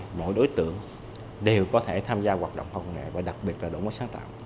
những ý tưởng đều có thể tham gia hoạt động khoa học này và đặc biệt là đủ sáng tạo